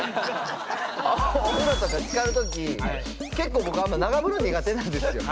お風呂とかつかる時結構僕長風呂苦手なんですよ。